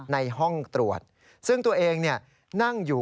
ในห้องตรวจซึ่งตัวเองเนี่ย